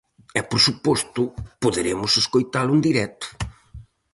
E por suposto, poderemos escoitalo en directo.